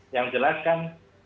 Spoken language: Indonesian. yang jelas kan